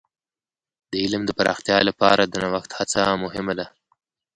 د علم د پراختیا لپاره د نوښت هڅه مهمه ده.